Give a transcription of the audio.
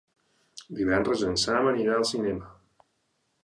Divendres en Sam anirà al cinema.